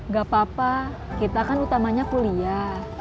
gak apa apa kita kan utamanya kuliah